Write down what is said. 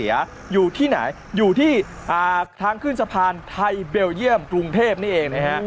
อยู่ที่ไหนอยู่ที่ทางขึ้นสะพานไทยเบลเยี่ยมกรุงเทพนี่เองนะฮะ